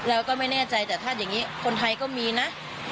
เธอก็เชื่อว่ามันคงเป็นเรื่องความเชื่อที่บรรดองนำเครื่องเส้นวาดผู้ผีปีศาจเป็นประจำ